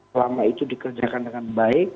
selama itu dikerjakan dengan baik